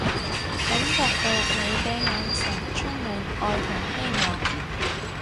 感覺到你嘅眼神充滿愛同希望